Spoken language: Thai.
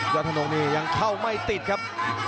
ธนงนี่ยังเข้าไม่ติดครับ